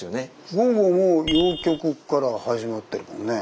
午後も「謡曲」から始まってるもんね。